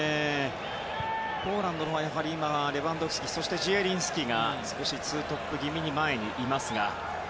ポーランドのほうは今、レバンドフスキそしてジエリンスキが２トップ気味に前にいますが。